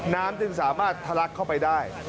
จึงสามารถทะลักเข้าไปได้